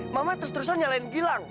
mama terus terusan nyalain gilang